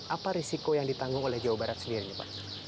apa risiko yang ditanggung oleh jawa barat sendiri nih pak